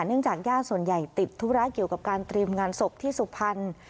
เนื่องจากญาติส่วนใหญ่ติดธุระเกี่ยวกับการเตรียมงานศพที่สุพรรณ